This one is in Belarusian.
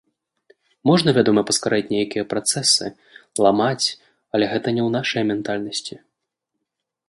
Можна, вядома, паскараць нейкія працэсы, ламаць, але гэта не ў нашай ментальнасці.